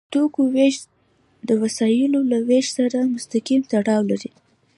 د توکو ویش د وسایلو له ویش سره مستقیم تړاو لري.